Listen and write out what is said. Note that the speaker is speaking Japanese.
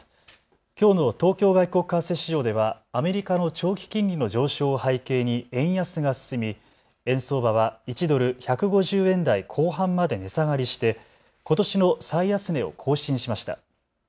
きょうの東京外国為替市場ではアメリカの長期金利の上昇を背景に円安が進み、円相場は１ドル１５０円台後半まで値下がりしてことしの最安値を更新しました。